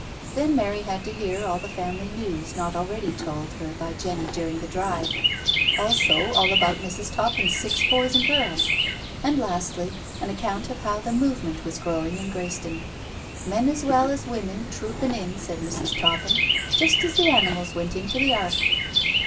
Then Mary had to hear all the family news not already told her by Jenny during their drive; also all about Mrs. Toppin's six boys and girls; and, lastly, an account of how the Movement was growing in Greyston, "men as well as women troopin* in,'* said Mrs. Toppin, " just as the animals went into the ark."